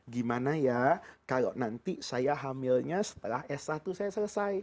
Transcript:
gimana ya kalau nanti saya hamilnya setelah s satu saya selesai